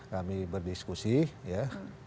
kami berdiskusi ya